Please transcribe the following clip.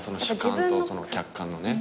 主観と客観のね。